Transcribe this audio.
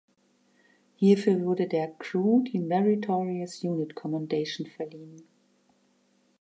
Hierfür wurde der Crew die Meritorious Unit Commendation verliehen.